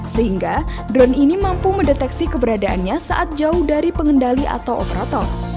sehingga drone ini mampu mendeteksi keberadaannya saat jauh dari pengendali atau operator